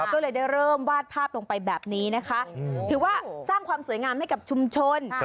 ก็เลยได้เริ่มวาดภาพลงไปแบบนี้นะคะถือว่าสร้างความสวยงามให้กับชุมชน